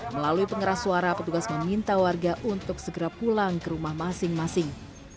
melalui pengeras suara petugas meminta warga untuk segera pulang ke rumah masing masing